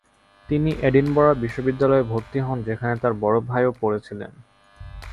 তিনি এডিনবরা বিশ্ববিদ্যালয়ে ভর্তি হন যেখানে তার বড় ভাইও পড়েছিলেন।